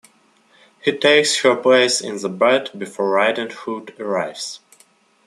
He takes her place in the bed before Riding Hood arrives.